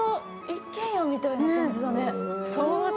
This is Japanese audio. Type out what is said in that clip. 一軒家みたいな感じだね。